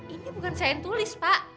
ini bukan saya yang tulis pak